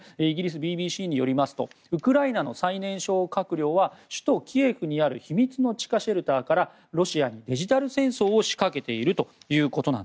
イギリスＢＢＣによりますとウクライナの最年少閣僚は首都キエフにある秘密の地下シェルターからロシアにデジタル戦争を仕掛けていると。